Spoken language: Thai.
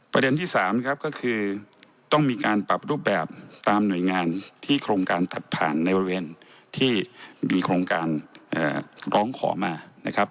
ประเด็นที่๓ครับก็คือต้องมีการปรับรูปแบบตามหน่วยงานที่โครงการตัดผ่านในบริเวณที่มีโครงการร้องขอมานะครับ